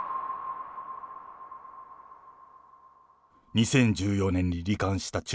２０１４年にり患した中